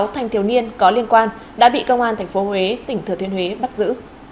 hai mươi sáu thanh thiếu niên có liên quan đã bị công an tp hcm bắt giữ